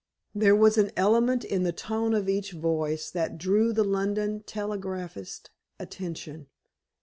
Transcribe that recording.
There was an element in the tone of each voice that drew the London telegraphist's attention.